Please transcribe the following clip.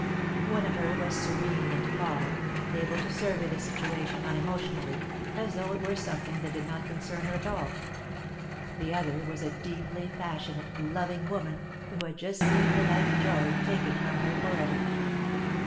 One of her was serene and calm, able to survey the situation unemotionally, as though it were something that did not concern her at all. The other was a deeply passionate, loving woman, who had just seen her life's joy taken from her for ever.